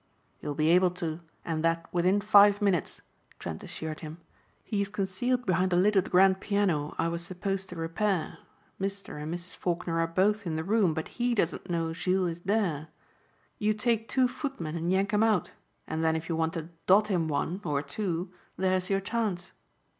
"You'll be able to and that within five minutes," Trent assured him. "He is concealed behind the lid of the grand piano I was supposed to repair. Mr. and Mrs. Faulkner are both in the room but he doesn't know Jules is there. You take two footmen and yank him out and then if you want to 'dot him one' or two, there's your chance."